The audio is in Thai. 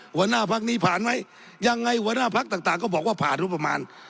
หัวหน้าพักนี้ผ่านไว้ยังไงหัวหน้าพักต่างก็บอกว่าผ่านงบประมาณ